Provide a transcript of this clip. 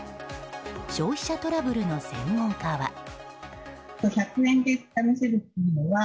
消費者トラブルの専門家は。